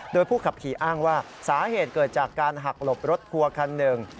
โดยผู้ขับขี่อ้างว่าสาเหตุเกิดจากการหักหลบรถทัวร์คันหนึ่ง